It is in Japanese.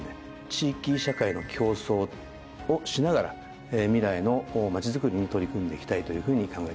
地域社会の共創をしながら未来の街づくりに取り組んでいきたいというふうに考えております。